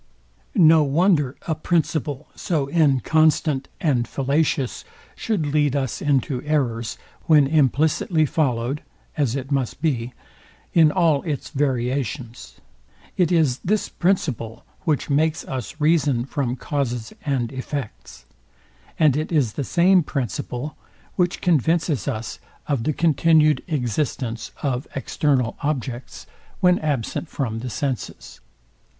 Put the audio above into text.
No wonder a principle so inconstant and fallacious should lead us into errors, when implicitly followed (as it must be) in all its variations. It is this principle, which makes us reason from causes and effects; and it is the same principle, which convinces us of the continued existence of external objects, when absent from the senses.